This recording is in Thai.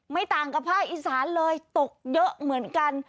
ต่างกับภาคอีสานเลยตกเยอะเหมือนกัน